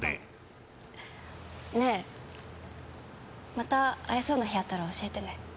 また会えそうな日あったら教えてね。